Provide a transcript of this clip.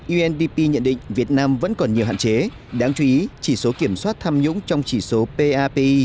undp nhận định việt nam vẫn còn nhiều hạn chế đáng chú ý chỉ số kiểm soát tham nhũng trong chỉ số papi